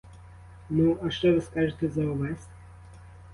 Ну, а що ви скажете за овес?